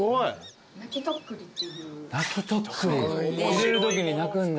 入れるときに鳴くんだ。